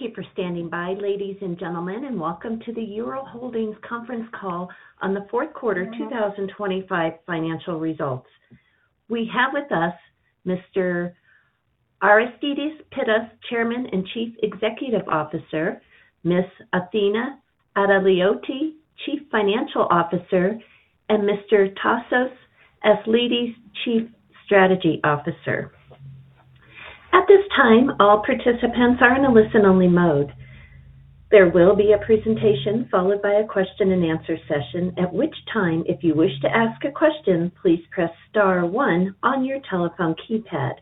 Thank you for standing by, ladies and gentlemen, and welcome to the Euroholdings conference call on the fourth quarter 2025 financial results. We have with us Mr. Aristidis Pittas, Chairman and Chief Executive Officer, Ms. Athina Atalioti, Chief Financial Officer, and Mr. Tassos Asklidis, Chief Strategy Officer. At this time, all participants are in a listen-only mode. There will be a presentation followed by a question and answer session, at which time, if you wish to ask a question, please press star one on your telephone keypad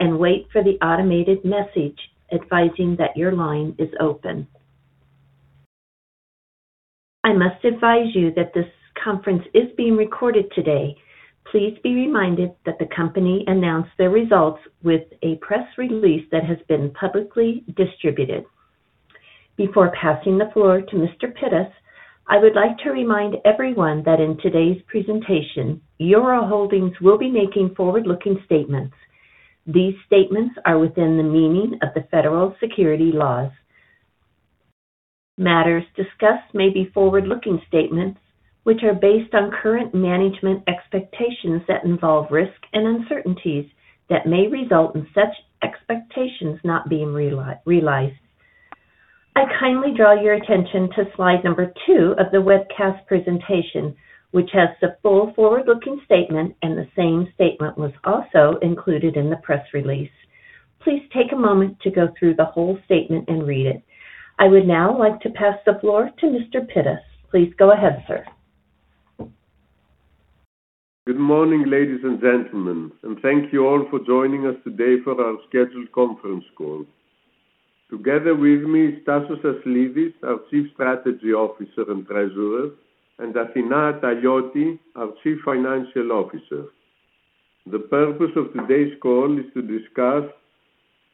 and wait for the automated message advising that your line is open. I must advise you that this conference is being recorded today. Please be reminded that the company announced their results with a press release that has been publicly distributed. Before passing the floor to Mr. Pittas, I would like to remind everyone that in today's presentation, Euroholdings will be making forward-looking statements. These statements are within the meaning of the federal securities laws. Matters discussed may be forward-looking statements, which are based on current management expectations that involve risk and uncertainties that may result in such expectations not being realized. I kindly draw your attention to slide number 2 of the webcast presentation, which has the full forward-looking statement, and the same statement was also included in the press release. Please take a moment to go through the whole statement and read it. I would now like to pass the floor to Mr. Pittas. Please go ahead, sir. Good morning, ladies and gentlemen, thank you all for joining us today for our scheduled conference call. Together with me is Tassos Asklidis, our Chief Strategy Officer and Treasurer, and Athina Ataloti, our Chief Financial Officer. The purpose of today's call is to discuss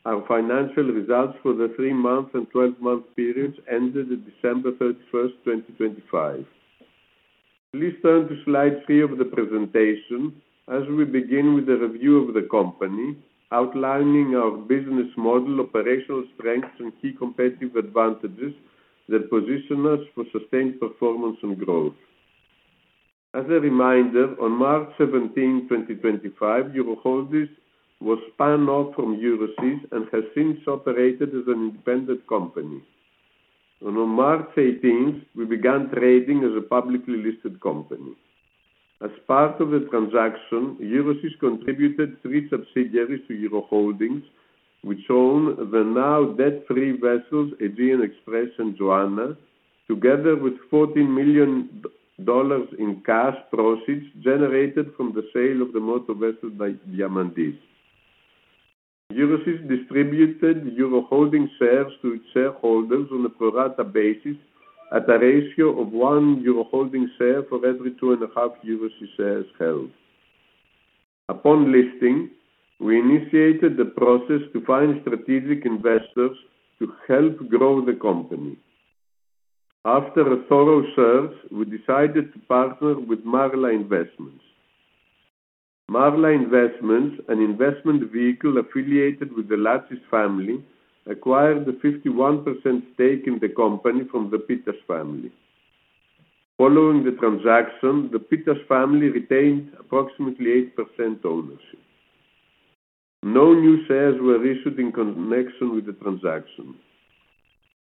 our financial results for the 3-month and 12-month periods ended December 31st, 2025. Please turn to slide 3 of the presentation as we begin with a review of the company, outlining our business model, operational strengths, and key competitive advantages that position us for sustained performance and growth. As a reminder, on March 17th, 2025, Euroholdings was spun off from Euroseas and has since operated as an independent company. On March 18th, we began trading as a publicly listed company. As part of the transaction, Euroseas contributed 3 subsidiaries to Euroholdings, which own the now debt-free vessels, Aegean Express and Joanna, together with $14 million in cash proceeds generated from the sale of the motor vessel by Diamandis. Euroseas distributed Euroholdings shares to its shareholders on a pro rata basis at a ratio of 1 Euroholdings share for every 2.5 Euroseas shares held. Upon listing, we initiated the process to find strategic investors to help grow the company. After a thorough search, we decided to partner with Marla Investments. Marla Investments, an investment vehicle affiliated with the Latsis family, acquired a 51% stake in the company from the Pittas family. Following the transaction, the Pittas family retained approximately 8% ownership. No new shares were issued in connection with the transaction.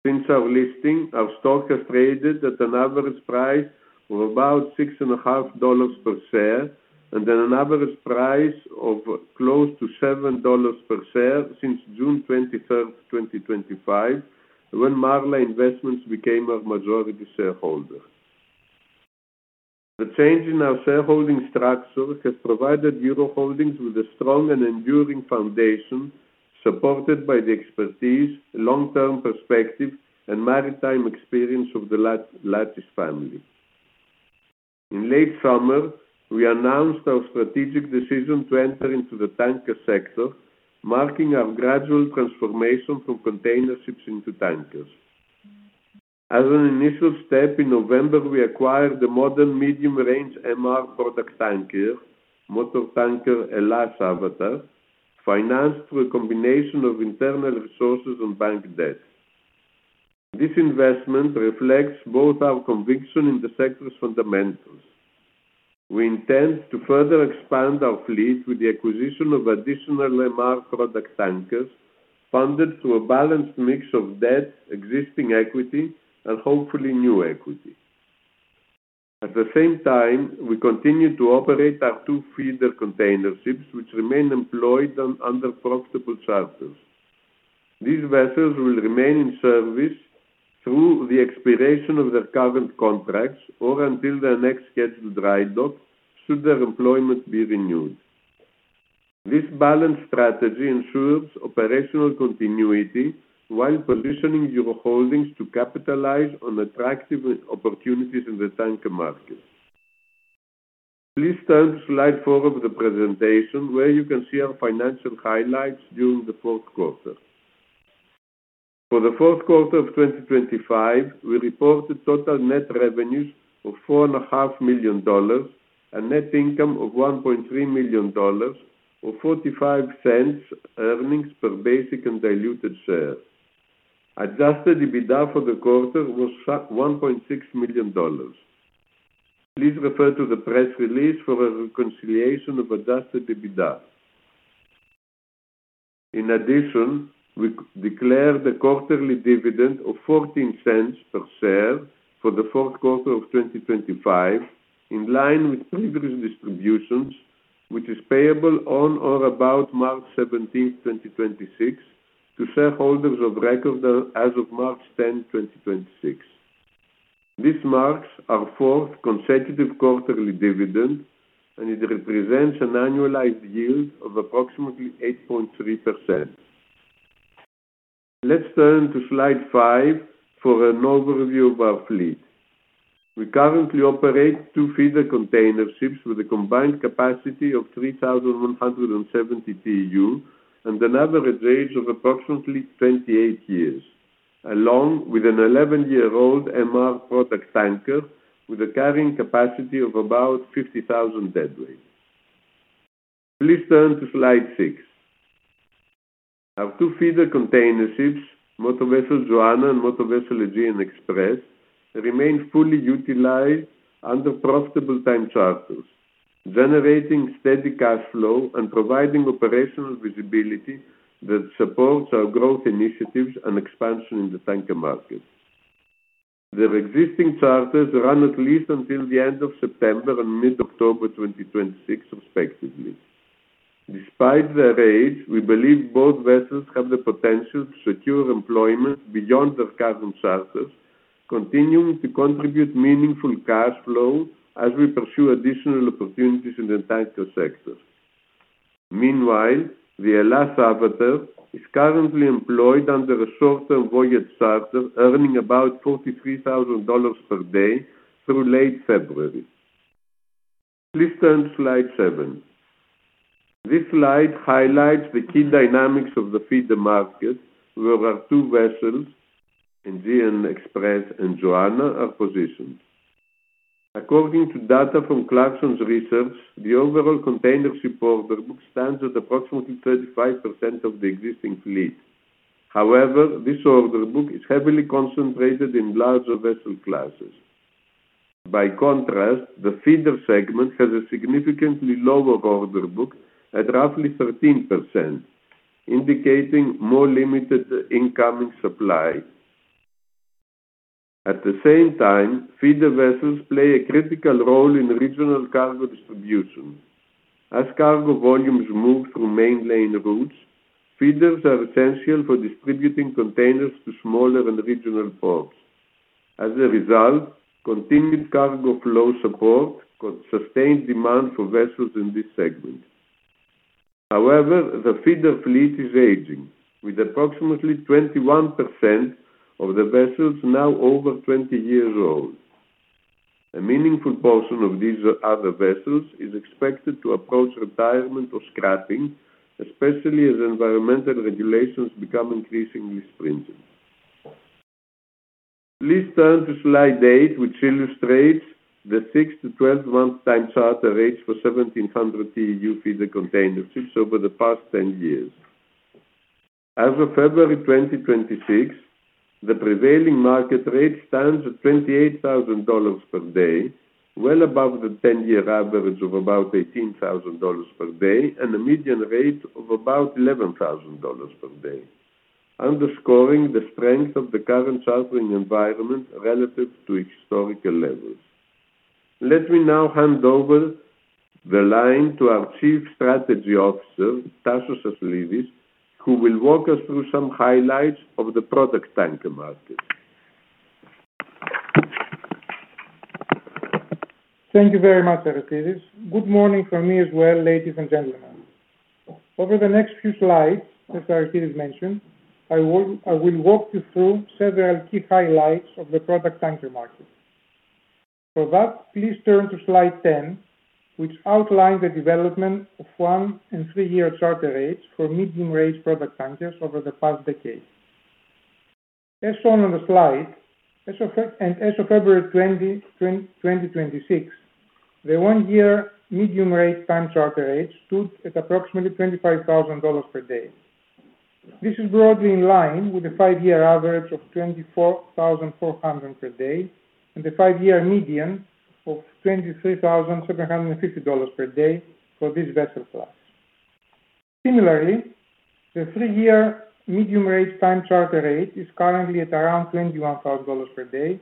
Since our listing, our stock has traded at an average price of about $6.5 per share, and at an average price of close to $7 per share since June 23rd, 2025, when Marla Investments became our majority shareholder. The change in our shareholding structure has provided Euroholdings with a strong and enduring foundation, supported by the expertise, long-term perspective, and maritime experience of the Latsis family. In late summer, we announced our strategic decision to enter into the tanker sector, marking our gradual transformation from containerships into tankers. As an initial step, in November, we acquired the modern medium-range MR product tanker, motor tanker, Elias Avatar, financed through a combination of internal resources and bank debt. This investment reflects both our conviction in the sector's fundamentals. We intend to further expand our fleet with the acquisition of additional MR product tankers, funded through a balanced mix of debt, existing equity, and hopefully, new equity. At the same time, we continue to operate our two feeder containerships, which remain employed on under profitable charters. These vessels will remain in service through the expiration of their current contracts or until their next scheduled dry dock, should their employment be renewed. This balanced strategy ensures operational continuity while positioning Euroholdings to capitalize on attractive opportunities in the tanker market. Please turn to slide four of the presentation, where you can see our financial highlights during the fourth quarter. For the fourth quarter of 2025, we reported total net revenues of four and a half million dollars. A net income of $1.3 million, or $0.45 earnings per basic and diluted share. Adjusted EBITDA for the quarter was $1.6 million. Please refer to the press release for a reconciliation of adjusted EBITDA. In addition, we declared a quarterly dividend of $0.14 per share for the fourth quarter of 2025, in line with previous distributions, which is payable on or about March 17, 2026, to shareholders of record as of March 10, 2026. This marks our fourth consecutive quarterly dividend, and it represents an annualized yield of approximately 8.3%. Let's turn to slide 5 for an overview of our fleet. We currently operate 2 feeder container ships with a combined capacity of 3,170 TEU, and an average age of approximately 28 years, along with an 11-year-old MR product tanker with a carrying capacity of about 50,000 deadweight. Please turn to slide 6. Our two feeder container ships, Motovessel Joanna and Motovessel Aegean Express, remain fully utilized under profitable time charters, generating steady cash flow and providing operational visibility that supports our growth initiatives and expansion in the tanker market. Their existing charters run at least until the end of September and mid-October 2026, respectively. Despite their age, we believe both vessels have the potential to secure employment beyond their current charters, continuing to contribute meaningful cash flow as we pursue additional opportunities in the tanker sector. The Elias Avatar is currently employed under a short-term voyage charter, earning about $43,000 per day through late February. Please turn to slide 7. This slide highlights the key dynamics of the feeder market, where our two vessels, Aegean Express and Joanna, are positioned. According to data from Clarksons Research, the overall containership order book stands at approximately 35% of the existing fleet. However, this order book is heavily concentrated in larger vessel classes. By contrast, the feeder segment has a significantly lower order book at roughly 13%, indicating more limited incoming supply. At the same time, feeder vessels play a critical role in regional cargo distribution. As cargo volumes move through main lane routes, feeders are essential for distributing containers to smaller and regional ports. As a result, continued cargo flow support could sustain demand for vessels in this segment. However, the feeder fleet is aging, with approximately 21% of the vessels now over 20 years old. A meaningful portion of these other vessels is expected to approach retirement or scrapping, especially as environmental regulations become increasingly stringent. Please turn to slide 8, which illustrates the 6-12 month time charter rates for 1,700 TEU feeder containerships over the past 10 years. As of February 2026, the prevailing market rate stands at $28,000 per day, well above the 10-year average of about $18,000 per day, and a median rate of about $11,000 per day, underscoring the strength of the current chartering environment relative to historical levels. Let me now hand over the line to our Chief Strategy Officer, Tassos Aslanides, who will walk us through some highlights of the product tanker market. Thank you very much, Aristides. Good morning from me as well, ladies and gentlemen. Over the next few slides, as Aristides mentioned, I will walk you through several key highlights of the product tanker market. For that, please turn to slide 10, which outlines the development of 1 and 3-year charter rates for medium-range product tankers over the past decade. As shown on the slide, as of February 2026, the 1-year medium-range time charter rate stood at approximately $25,000 per day. This is broadly in line with the 5-year average of $24,400 per day and a 5-year median of $23,750 per day for this vessel class. Similarly, the 3-year medium-range time charter rate is currently at around $21,000 per day,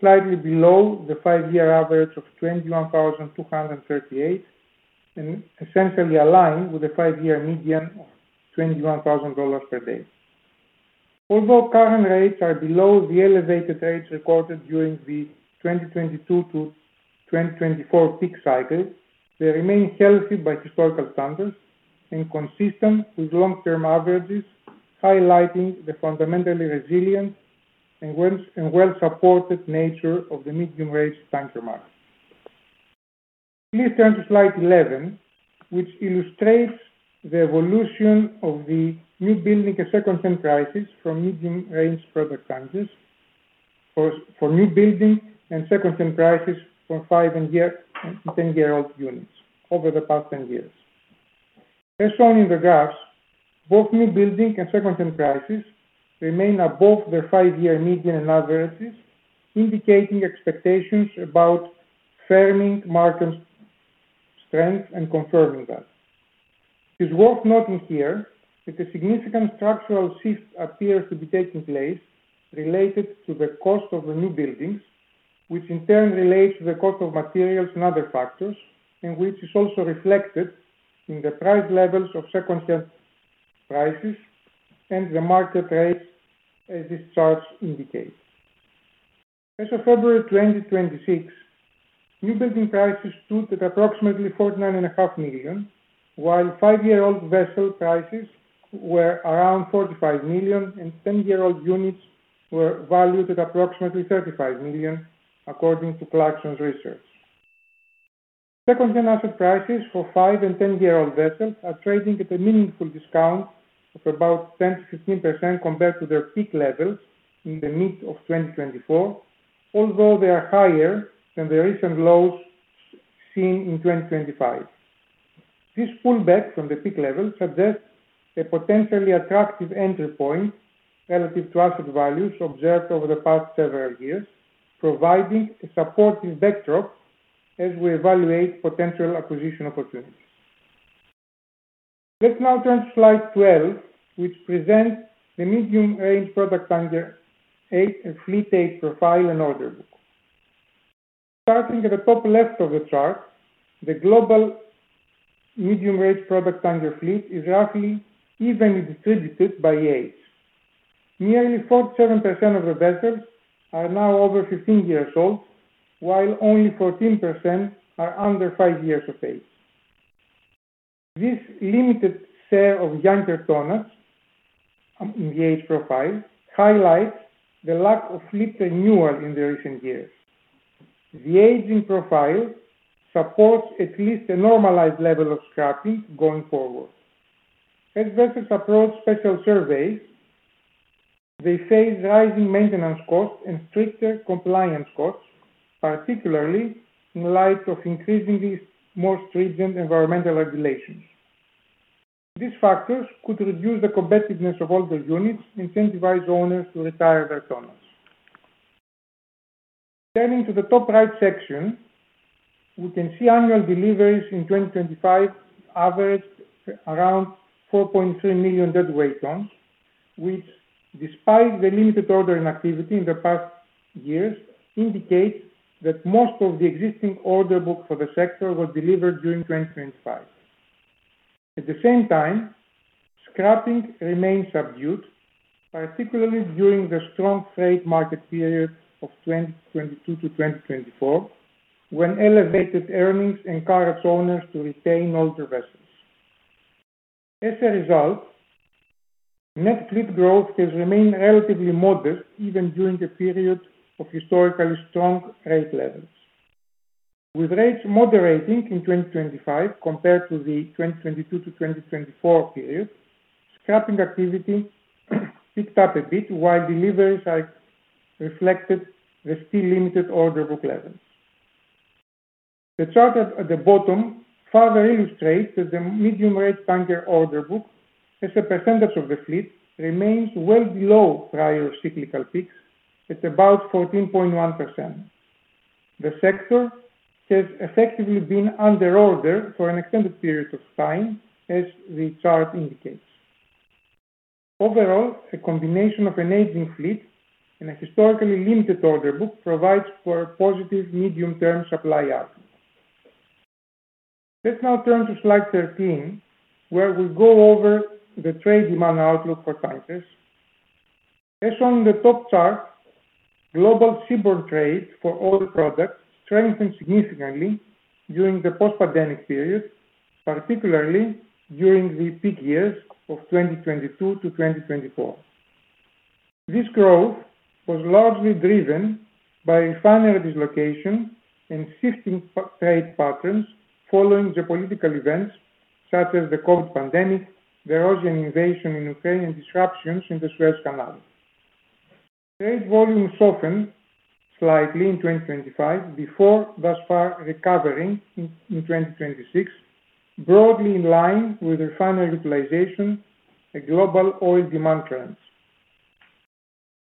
slightly below the 5-year average of $21,238, and essentially aligned with the 5-year median of $21,000 per day. Although current rates are below the elevated rates recorded during the 2022 to 2024 peak cycle, they remain healthy by historical standards and consistent with long-term averages, highlighting the fundamentally resilient and well-supported nature of the medium-range tanker market. Please turn to slide 11, which illustrates the evolution of the newbuilding and secondhand prices from medium-range product tankers for newbuilding and secondhand prices for 5 and year, and 10-year-old units over the past 10 years. As shown in the graphs, both newbuilding and secondhand prices remain above their 5-year median averages, indicating expectations about firming market strength and confirming that. It's worth noting here that a significant structural shift appears to be taking place related to the cost of the new buildings, which in turn relates to the cost of materials and other factors, and which is also reflected in the price levels of second-hand prices and the market rate, as this charts indicate. As of February 2026, new building prices stood at approximately $49.5 million, while 5-year-old vessel prices were around $45 million, and 10-year-old units were valued at approximately $35 million, according to Clarksons Research. Second-hand asset prices for 5 and 10-year-old vessels are trading at a meaningful discount of about 10%-15% compared to their peak levels in the mid of 2024, although they are higher than the recent lows seen in 2025. This pullback from the peak levels suggest a potentially attractive entry point relative to asset values observed over the past several years, providing a supportive backdrop as we evaluate potential acquisition opportunities. Let's now turn to slide 12, which presents the medium-range product tanker, age and fleet age profile and order book. Starting at the top left of the chart, the global medium-range product tanker fleet is roughly evenly distributed by age. Nearly 47% of the vessels are now over 15 years old, while only 14% are under 5 years of age. This limited share of younger tonnage in the age profile highlights the lack of fleet renewal in the recent years. The aging profile supports at least a normalized level of scrapping going forward. As vessels approach special surveys, they face rising maintenance costs and stricter compliance costs, particularly in light of increasingly more stringent environmental regulations. These factors could reduce the competitiveness of older units and incentivize owners to retire their tonnage. Turning to the top right section, we can see annual deliveries in 2025 averaged around 4.3 million deadweight tons, which despite the limited ordering activity in the past years, indicate that most of the existing order book for the sector was delivered during 2025. At the same time, scrapping remains subdued, particularly during the strong freight market period of 2022-2024, when elevated earnings encouraged owners to retain older vessels. As a result, net fleet growth has remained relatively modest, even during the period of historically strong rate levels. With rates moderating in 2025 compared to the 2022-2024 period, scrapping activity picked up a bit, while deliveries are reflected the still limited order book levels. The chart at the bottom further illustrates that the medium-range tanker order book, as a percentage of the fleet, remains well below prior cyclical peaks at about 14.1%. The sector has effectively been under order for an extended period of time, as the chart indicates. Overall, a combination of an aging fleet and a historically limited order book provides for a positive medium-term supply outcome. Let's now turn to slide 13, where we go over the trade demand outlook for tankers. As shown in the top chart, global seaborne trade for all products strengthened significantly during the post-pandemic period, particularly during the peak years of 2022-2024. This growth was largely driven by refinery dislocation and shifting trade patterns following geopolitical events such as the COVID pandemic, the Russian invasion in Ukraine, and disruptions in the Suez Canal. Trade volumes softened slightly in 2025 before thus far recovering in 2026, broadly in line with refinery utilization and global oil demand trends.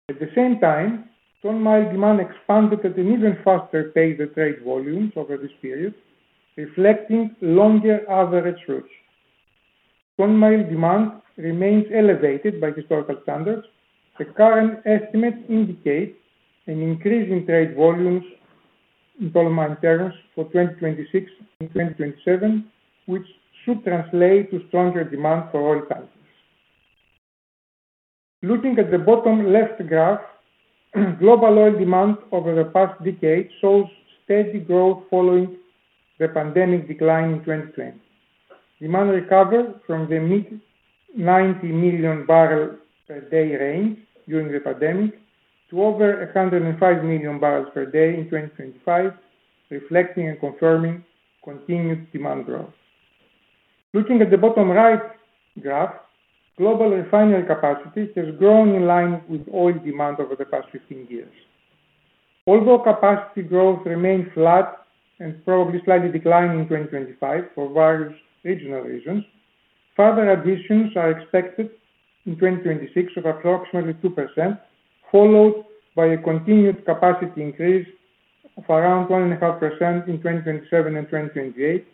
At the same time, ton-mile demand expanded at an even faster pace than trade volumes over this period, reflecting longer average routes. Ton-mile demand remains elevated by historical standards. The current estimate indicates an increase in trade volumes in ton-mile terms for 2026 and 2027, which should translate to stronger demand for oil tankers. Looking at the bottom left graph, global oil demand over the past decade shows steady growth following the pandemic decline in 2020. Demand recovered from the mid 90 million barrel per day range during the pandemic to over 105 million barrels per day in 2025, reflecting and confirming continued demand growth. Looking at the bottom right graph, global refinery capacity has grown in line with oil demand over the past 15 years. Although capacity growth remains flat and probably slightly declining in 2025 for various regional reasons, further additions are expected in 2026 of approximately 2%, followed by a continued capacity increase of around 1.5% in 2027 and 2028,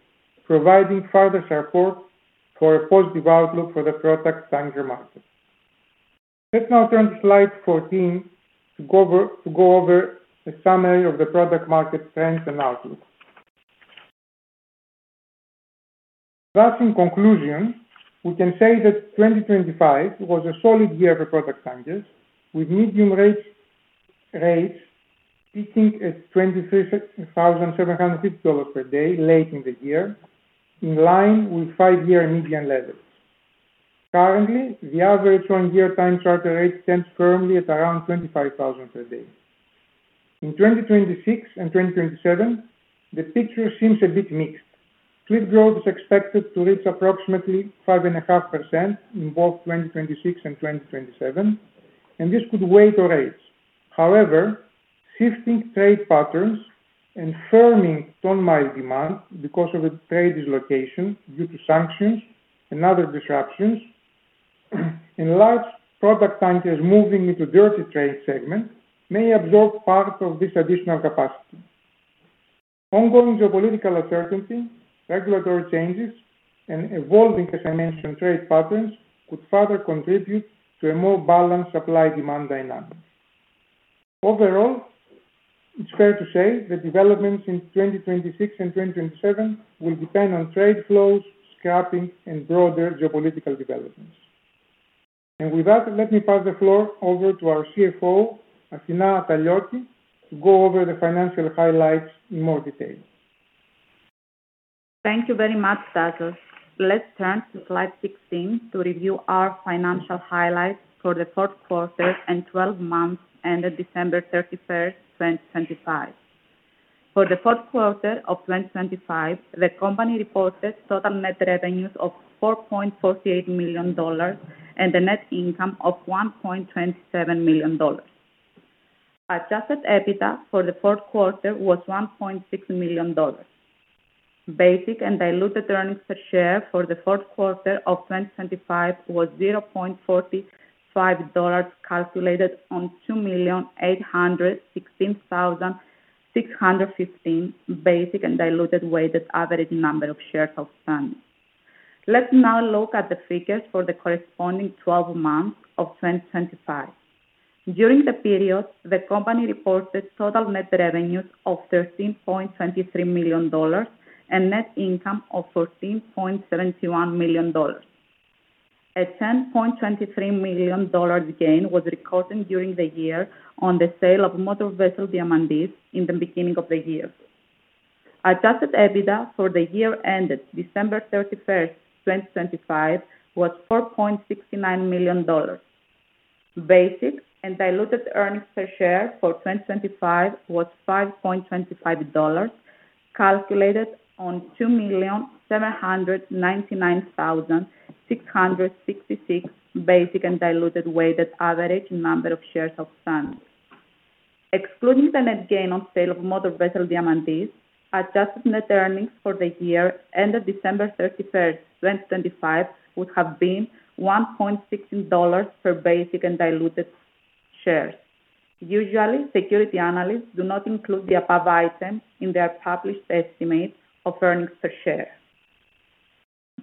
providing further support for a positive outlook for the product tanker market. Let's now turn to slide 14 to go over a summary of the product market trends and outlook. In conclusion, we can say that 2025 was a solid year for product tankers, with medium rates peaking at $23,750 per day late in the year, in line with 5-year median levels. Currently, the average one-year time charter rate stands firmly at around $25,000 per day. In 2026 and 2027, the picture seems a bit mixed. Fleet growth is expected to reach approximately 5.5% in both 2026 and 2027. This could weigh the rates. However, shifting trade patterns and firming ton-mile demand because of the trade dislocation due to sanctions and other disruptions, and large product tankers moving into dirty trade segment may absorb part of this additional capacity. Ongoing geopolitical uncertainty, regulatory changes, and evolving, as I mentioned, trade patterns, could further contribute to a more balanced supply-demand dynamic. Overall, it's fair to say the developments in 2026 and 2027 will depend on trade flows, scrapping and broader geopolitical developments. With that, let me pass the floor over to our CFO, Athina Atalioti, to go over the financial highlights in more detail. Thank you very much, Stavros. Let's turn to slide 16 to review our financial highlights for the fourth quarter and 12 months ended December 31st, 2025. For the fourth quarter of 2025, the company reported total net revenues of $4.48 million and a net income of $1.27 million. Adjusted EBITDA for the fourth quarter was $1.6 million. Basic and diluted earnings per share for the fourth quarter of 2025 was $0.45, calculated on 2,816,615 basic and diluted weighted average number of shares of funds. Let's now look at the figures for the corresponding 12 months of 2025. During the period, the company reported total net revenues of $13.23 million and net income of $14.71 million. A $10.23 million gain was recorded during the year on the sale of motor vessel, Diamandis, in the beginning of the year. Adjusted EBITDA for the year ended December 31, 2025, was $4.69 million. Basic and diluted earnings per share for 2025 was $5.25, calculated on 2,799,666 basic and diluted weighted average number of shares of funds. Excluding the net gain on sale of motor vessel, Diamandis, adjusted net earnings for the year ended December 31, 2025, would have been $1.16 per basic and diluted shares. Usually, security analysts do not include the above item in their published estimate of earnings per share.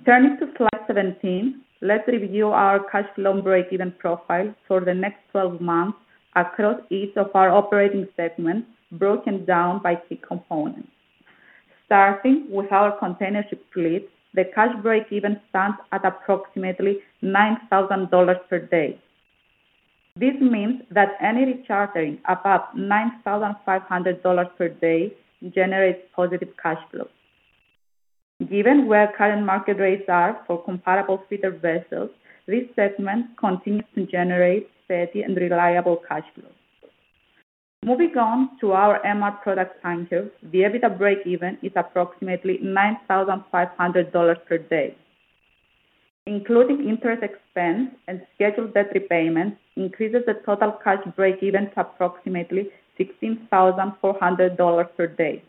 Turning to slide 17, let's review our cash long break-even profile for the next 12 months across each of our operating segments, broken down by key components. Starting with our container ship fleet, the cash break-even stands at approximately $9,000 per day. This means that any chartering above $9,500 per day generates positive cash flow. Given where current market rates are for comparable fitter vessels, this segment continues to generate steady and reliable cash flow. Moving on to our MR product tankers, the EBITDA break-even is approximately $9,500 per day. Including interest expense and scheduled debt repayments, increases the total cash break even to approximately $16,400 per day.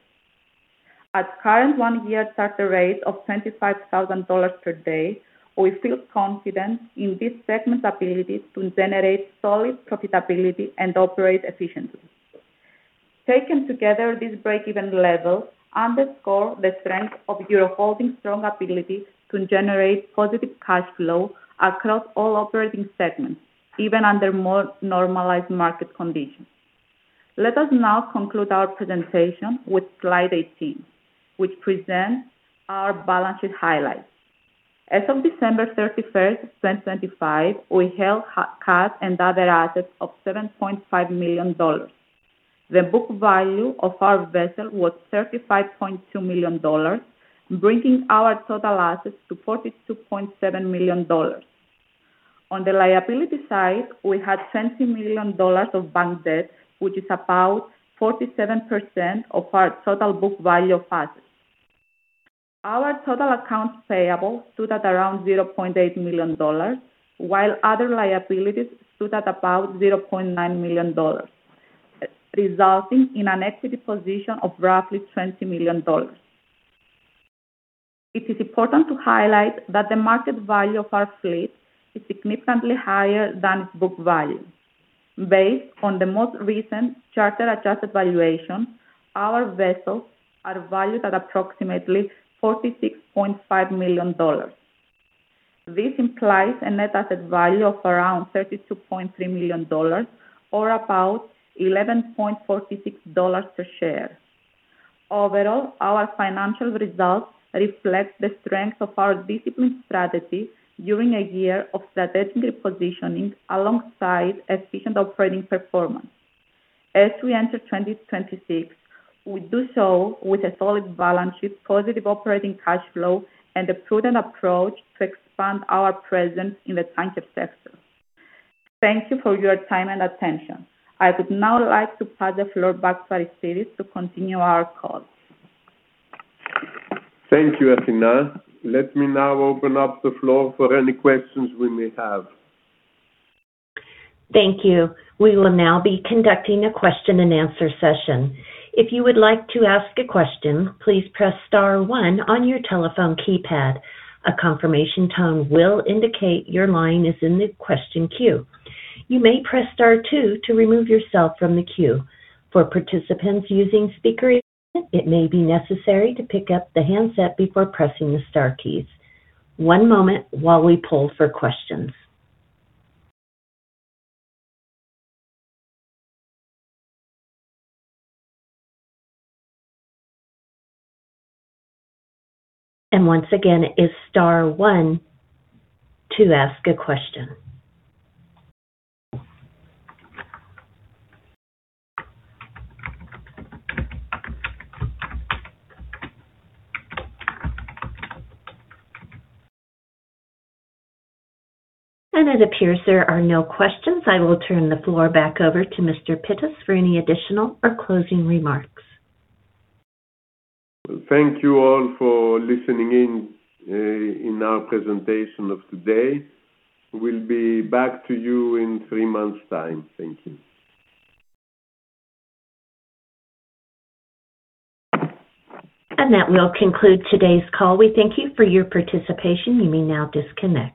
At current one year charter rate of $25,000 per day, we feel confident in this segment's ability to generate solid profitability and operate efficiently. Taken together, this break-even level underscore the strength of Euroholdings' strong ability to generate positive cash flow across all operating segments, even under more normalized market conditions. Let us now conclude our presentation with slide 18, which presents our balance sheet highlights. As of December 31st, 2025, we held cash and other assets of $7.5 million. The book value of our vessel was $35.2 million, bringing our total assets to $42.7 million. On the liability side, we had $20 million of bank debt, which is about 47% of our total book value of assets. Our total accounts payable stood at around $0.8 million, while other liabilities stood at about $0.9 million, resulting in an equity position of roughly $20 million. It is important to highlight that the market value of our fleet is significantly higher than its book value. Based on the most recent charter-adjusted valuation, our vessels are valued at approximately $46.5 million. This implies a net asset value of around $32.3 million or about $11.46 per share. Overall, our financial results reflect the strength of our disciplined strategy during a year of strategically positioning alongside efficient operating performance. As we enter 2026, we do so with a solid balance sheet, positive operating cash flow, and a prudent approach to expand our presence in the tanker sector. Thank you for your time and attention. I would now like to pass the floor back to Aris Pittas to continue our call. Thank you, Athina. Let me now open up the floor for any questions we may have. Thank you. We will now be conducting a question and answer session. If you would like to ask a question, please press star one on your telephone keypad. A confirmation tone will indicate your line is in the question queue. You may press star two to remove yourself from the queue. For participants using speaker, it may be necessary to pick up the handset before pressing the star keys. One moment while we poll for questions. Once again, it's star one to ask a question. It appears there are no questions. I will turn the floor back over to Mr. Pittas for any additional or closing remarks. Thank you all for listening in our presentation of today. We'll be back to you in 3 months' time. Thank you. That will conclude today's call. We thank you for your participation. You may now disconnect.